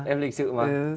em lịch sự mà